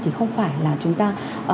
thì không phải là chúng ta